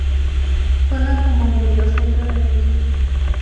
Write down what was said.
Juega como Mediocentro defensivo.